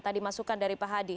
tadi masukan dari pak hadi